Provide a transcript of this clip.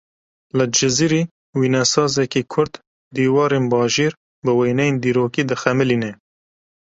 Li Cizîrê wênesazekî Kurd dîwarên bajêr bi wêneyên dîrokî dixemilîne.